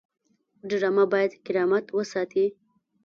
ډرامه باید کرامت وساتي